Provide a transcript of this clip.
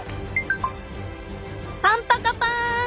パンパカパーン！